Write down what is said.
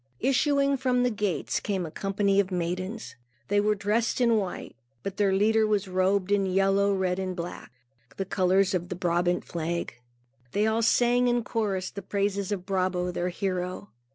Issuing from the gates came a company of maidens. They were dressed in white, but their leader was robed in yellow, red, and black, the colors of the Brabant flag. They all sang in chorus the praises of Brabo their hero.